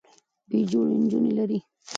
بې جوړې نجونې لرلې